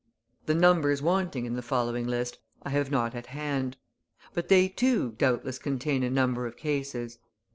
The numbers wanting in the following list I have not at hand; but they, too, doubtless contain a number of cases.